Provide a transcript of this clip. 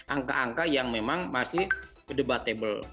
angka angka yang memang masih debatable